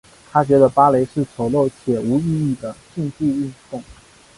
她觉得芭蕾是丑陋且无意义的竞技运动。